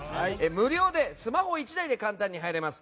無料でスマホ１台で簡単に入れます。